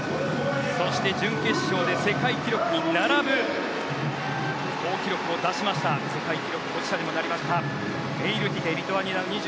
そして準決勝で世界記録に並ぶ好記録を出しました世界記録保持者にもなりましたルタ・メイルティテ。